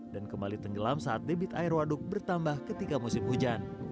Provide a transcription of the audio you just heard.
dan kembali tenggelam saat debit air waduk bertambah ketika musim hujan